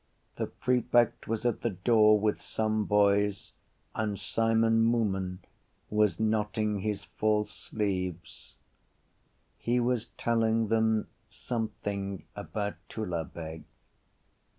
The prefect was at the door with some boys and Simon Moonan was knotting his false sleeves. He was telling them something about Tullabeg.